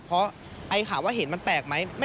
เพราะไอ้ข่าวว่าเห็นมันแปลกไหม